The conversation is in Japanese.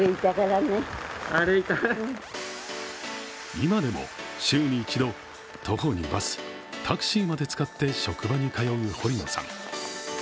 今でも週に一度、徒歩にバス、タクシーまで使って職場に通う堀野さん。